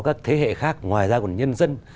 các thế hệ khác ngoài ra còn nhân dân